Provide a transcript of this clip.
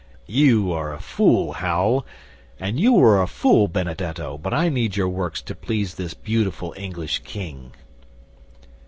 You are a fool, Hal, and you are a fool, Benedetto, but I need your works to please this beautiful English King."